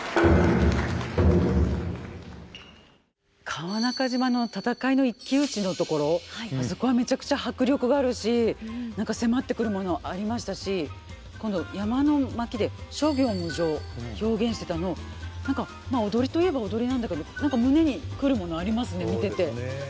川中島の戦いの一騎打ちのところあそこはめちゃくちゃ迫力があるし何か迫ってくるものありましたし今度「山の巻」で「諸行無常」表現してたの何かまあ踊りといえば踊りなんだけど何か胸に来るものありますね見てて。